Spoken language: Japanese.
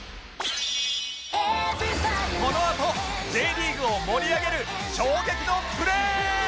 このあと Ｊ リーグを盛り上げる衝撃のプレー！